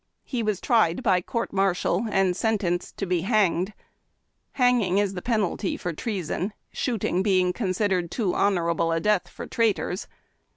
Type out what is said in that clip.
He was tried by court martial, and sen tenced to be hanged — hanging is the penalty for treason, shooting being considered too honorable a death for traitors.